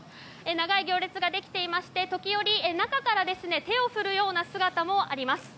長い行列ができていまして時折、中から手を振るような姿もあります。